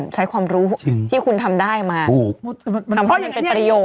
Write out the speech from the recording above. ใช้ความรู้ที่คุณทำได้มาทำให้มันเป็นประโยชน